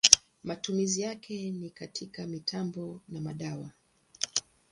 Matumizi yake ni katika mitambo na madawa.